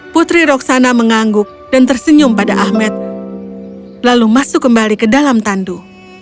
putri roksana mengangguk dan tersenyum pada ahmed lalu masuk kembali ke dalam tandu